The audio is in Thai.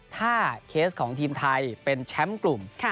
ถ้าเคสของทีมไทยเป็นแชมป์กลุ่ม